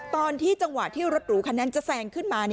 ตอนที่เวลาที่รถหรูขานั้นจะแซงขึ้นมา